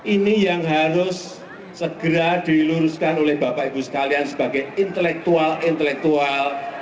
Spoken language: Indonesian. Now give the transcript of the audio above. ini yang harus segera diluruskan oleh bapak ibu sekalian sebagai intelektual intelektual